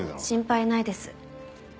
心配ないです。